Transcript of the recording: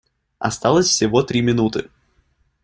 Осталось всего три минуты.